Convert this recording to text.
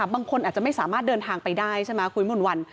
บางคนอาจจะไม่สามารถเดินทางไปได้คุยหม่อน